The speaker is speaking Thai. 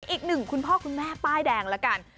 อีกหนึ่งคุณพ่อคุณแม่ป้ายแดงละกัน